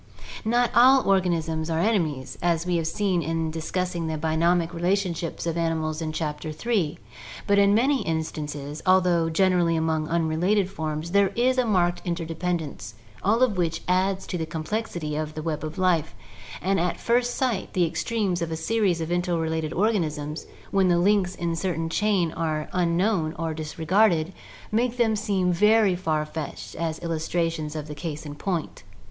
Not all organisms are enemies, as we have seen in discussing the bionomic relationships of animals in Chapter III, but in many instances, although generally among unrelated forms, there is a marked interdependence, all of which adds to the complexity of the web of life, and at first sight the extremes of a series of interre lated organisms, when the links in the chain are unknown or dis regarded, make them seem very far fetched as illustrations of the case in point.